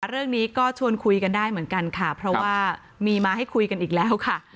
เรื่องนี้ก็ชวนคุยกันได้เหมือนกันค่ะเพราะว่ามีมาให้คุยกันอีกแล้วค่ะ